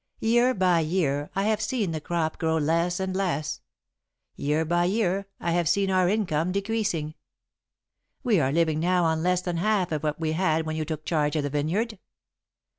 Year by year, I have seen the crop grow less and less; year by year I have seen our income decreasing. We are living now on less than half of what we had when you took charge of the vineyard.